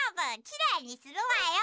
きれいにするわよ。